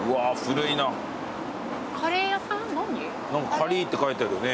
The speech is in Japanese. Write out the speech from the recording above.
「カリー」って書いてあるよね。